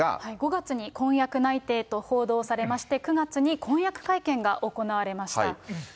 ５月に婚約内定と報道されまして、９月に婚約会見が行われました。